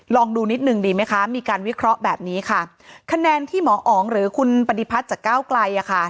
ลองดูนิดนึงดีไหมคะมีการวิเคราะห์แบบนี้ค่ะคะแนนที่หมออ๋องหรือคุณปฏิพัฒน์จากก้าวไกลอ่ะค่ะ